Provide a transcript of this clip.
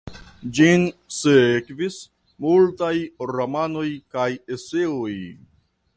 Ĝin sekvis multaj romanoj kaj eseoj.